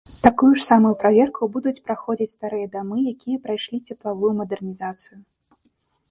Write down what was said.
Такую ж самую праверку будуць праходзіць старыя дамы, якія прайшлі цеплавую мадэрнізацыю.